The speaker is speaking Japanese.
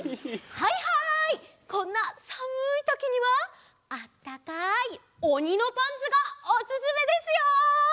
はいはいこんなさむいときにはあったかいおにのパンツがおすすめですよ。